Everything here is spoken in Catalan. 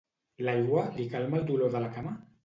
L'aigua li calma el dolor de la cama?